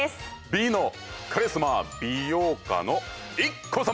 美のカリスマ美容家のＩＫＫＯ様！